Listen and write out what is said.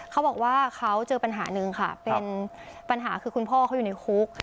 เขาบอกว่าเขาเจอปัญหาหนึ่งค่ะเป็นปัญหาคือคุณพ่อเขาอยู่ในคุก